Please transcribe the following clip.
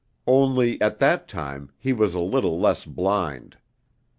Only, at that time, he was a little less blind.